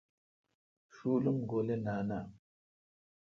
شُول ام گولے نان آ؟